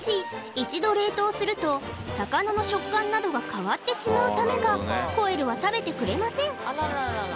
一度冷凍すると魚の食感などが変わってしまうためかコエルは食べてくれません